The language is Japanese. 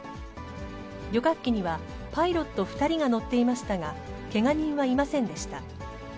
旅客機にはパイロット２人が乗っていましたが、けが人はいませんでした。